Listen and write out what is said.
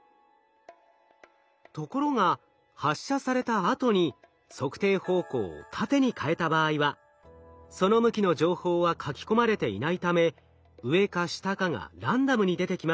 ところが発射されたあとに測定方向を縦に変えた場合はその向きの情報は書き込まれていないため上か下かがランダムに出てきます。